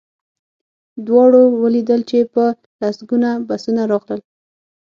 دواړو ولیدل چې په لسګونه بسونه راغلل